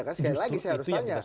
kan sekali lagi saya harus tanya